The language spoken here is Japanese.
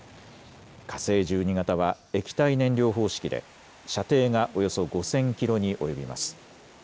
火星１２型は液体燃料方式で射程がおよそ５０００キロに及びます。